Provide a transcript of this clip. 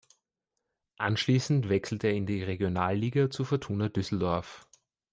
Anschließend wechselte er in die Regionalliga zu Fortuna Düsseldorf.